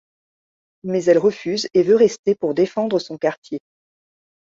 Mais elle refuse et veut rester pour défendre son quartier.